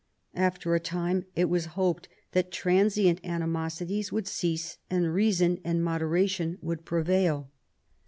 After a time, it was hoped that transient animosities would cease and reason and moderation would prevail.